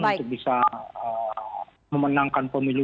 untuk bisa memenangkan pemilu dua ribu dua puluh empat